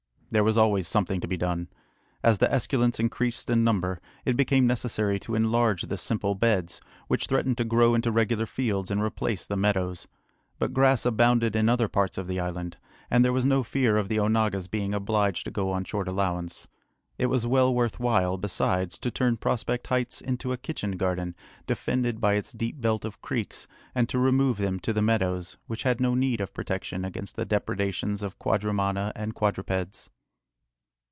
There was always something to be done. As the esculents increased in number, it became necessary to enlarge the simple beds, which threatened to grow into regular fields and replace the meadows. But grass abounded in other parts of the island, and there was no fear of the onagas being obliged to go on short allowance. It was well worth while, besides, to turn Prospect Heights into a kitchen garden, defended by its deep belt of creeks, and to remove them to the meadows, which had no need of protection against the depredations of quadrumana and quadrupeds.